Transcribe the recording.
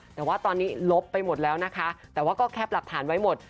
แต่ว่าตอนนี้ลบไปหมดแล้วนะคะแต่ว่าก็แคปหลักฐานไว้หมด